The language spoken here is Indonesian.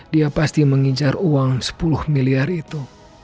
dia pasti mengincar uang sepuluh miliar itu